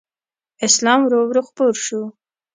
اسلام ورو ورو خپور شو